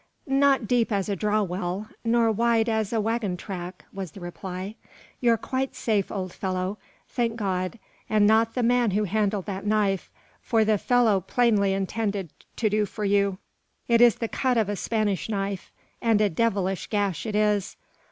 "Not deep as a draw well, nor wide as a waggon track," was the reply. "You're quite safe, old fellow; thank God, and not the man who handled that knife, for the fellow plainly intended to do for you. It is the cut of a Spanish knife, and a devilish gash it is.